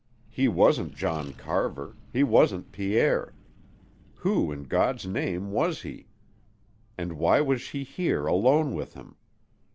He wasn't John Carver, he wasn't Pierre. Who, in God's name, was he? And why was she here alone with him?